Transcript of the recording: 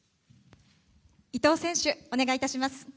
伊藤選手、お願いいたします。